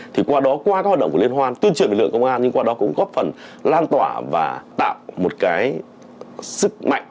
thì qua đó qua các hoạt động của liên hoan tuyên truyền lực lượng công an nhưng qua đó cũng góp phần lan tỏa và tạo một cái sức mạnh